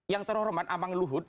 yang terhormat amang luhut